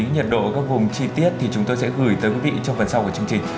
nhiệt độ các vùng chi tiết thì chúng tôi sẽ gửi tới quý vị trong phần sau của chương trình